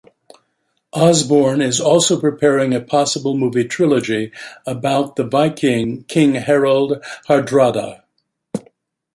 Osborne is also preparing a possible movie trilogy about the Viking king Harald Hardrada.